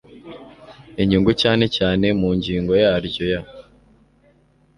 inyungu cyane cyane mu ngingo yaryo ya